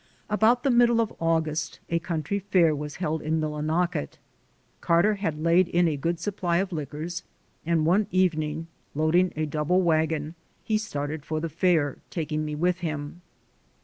About the middle of August a country fair was held in Millinocket. Carter had laid in a good supply of liquors, and one evening, loading a double wagon, I AM CAUGHT AGAIN 125 he started for the fair, taking me with him.